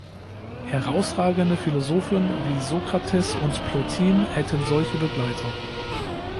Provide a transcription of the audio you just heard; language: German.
Herausragende Philosophen wie Sokrates und Plotin hätten solche Begleiter.